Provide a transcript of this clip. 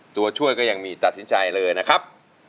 ตัวช่วยก็ยังมีตัดสินใจเลยนะครับ